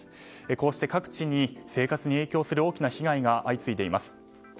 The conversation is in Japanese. こうして各地に生活に影響する大きな被害が相次いでいます。